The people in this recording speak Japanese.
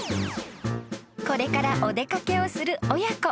［これからお出掛けをする親子］